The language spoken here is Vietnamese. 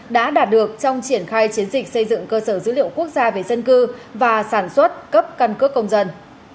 đã đạt được trong triển khai chiến dịch xây dựng cơ sở dữ liệu quốc gia về dân cư và sản xuất cấp căn cước công dân